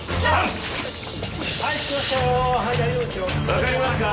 わかりますか？